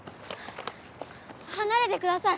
はなれてください。